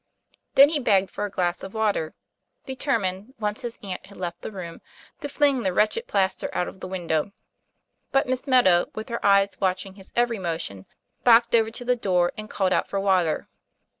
Then he begged for a glass of water, determined, once his aunt had left the room, to fling the wretched plaster out of the win dow. But Miss Meadow, with her eyes watching his every motion, backed over to the door and called out for water.